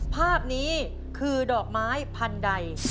ภาพนี้คือดอกไม้พันธุ์ใด